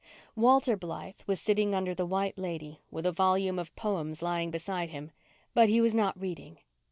Walter Blythe was sitting under the White Lady, with a volume of poems lying beside him, but he was not reading.